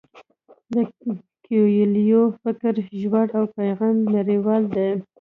د کویلیو فکر ژور او پیغام یې نړیوال دی.